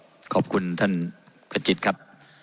เอ่อขอบคุณท่านขจิตครับ